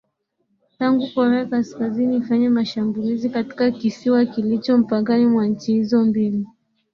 tangu korea kaskazini ifanye mashambulizi katika kisiwa kilicho mpakani mwa nchi hizo mbili